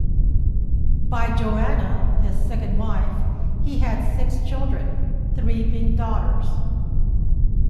By Joanna, his second wife, he had six children, three being daughters.